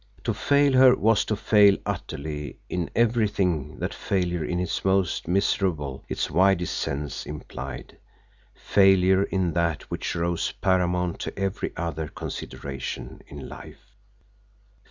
To fail her was to fail utterly in everything that failure in its most miserable, its widest sense, implied failure in that which rose paramount to every other consideration in life!